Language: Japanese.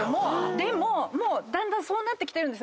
でもだんだんそうなってきてるんです。